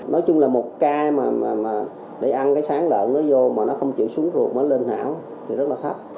sáng lợn nó vô mà nó không chịu xuống ruột nó lên hảo thì rất là khắc